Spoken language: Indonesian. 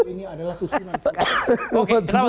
ini adalah susunan